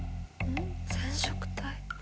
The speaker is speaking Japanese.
染色体？